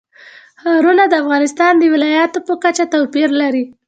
ښارونه د افغانستان د ولایاتو په کچه توپیر لري.